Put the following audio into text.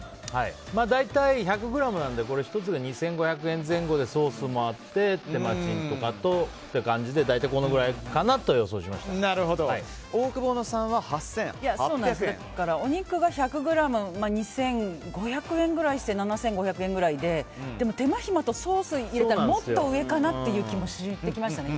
大体、１００ｇなのでこれ１つで２５００円前後でソースもあって手間賃とかとっていう感じで大体オオクボーノさんはお肉が１００ｇ２５００円くらいして７５００円くらいででも、手間暇とソースを入れたらもっと上かなという気もしてきましたね。